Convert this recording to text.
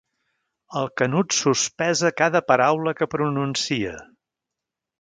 El Canut sospesa cada paraula que pronuncia.